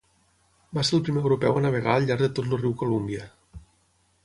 Va ser el primer europeu a navegar al llarg de tot el riu Columbia.